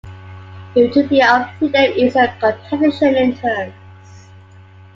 A utopia of freedom is a contradiction in terms.